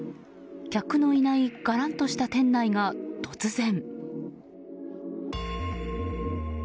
客のいないがらんとした店内が突然。